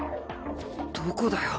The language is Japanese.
どこだよ？